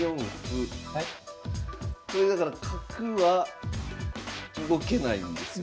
これだから角は動けないんですよね。